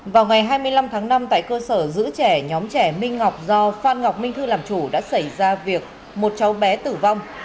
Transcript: vào ngày hai mươi năm tháng năm tại cơ sở giữ trẻ nhóm trẻ minh ngọc do phan ngọc minh thư làm chủ đã xảy ra việc một cháu bé tử vong